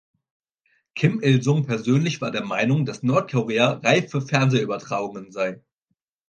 Kim Il-sung persönlich war der Meinung, dass Nordkorea reif für Fernsehübertragungen sei.